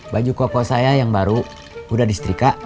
baju koko saya yang baru udah disetrika